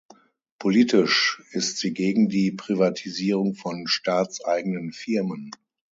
Politisch ist sie gegen die Privatisierung von staatseigenen Firmen.